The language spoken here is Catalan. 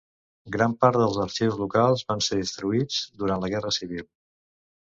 Gran part dels arxius locals van ser destruïts durant la guerra civil.